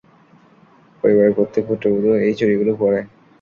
পরিবারের প্রত্যেক পুত্রবধূ এই চুড়িগুলো পরে।